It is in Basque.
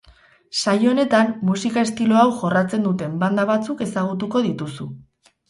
Saio honetan, musika estilo hau jorratzen duten banda batzuk ezagutuko dituzu.